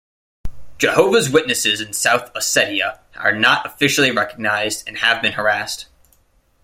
Jehovah's Witnesses in "South Ossetia" are not officially recognized and have been harassed.